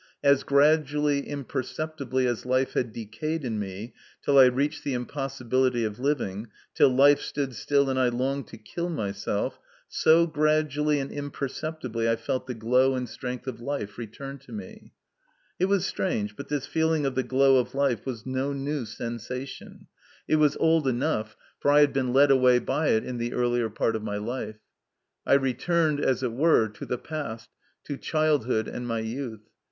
As gradually, imperceptibly as life had decayed in me, till I reached the impossibility of living, till life stood still, and I longed to kill myself, so gradually and imperceptibly I felt the glow and strength of life return to me. It was strange, but this feeling of the glow of life was no new sensation ; it was old MY CONFESSION. 115 enough, for I had been^led away by it in the earlier part of my life. I returned, as it were, to the past, to childhood and my youth.